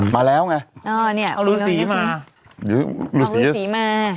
มาแล้วไงเอารูสีมา